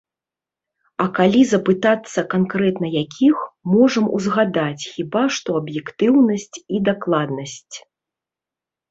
А калі запытацца канкрэтна якіх, можам узгадаць хіба што аб'ектыўнасць і дакладнасць.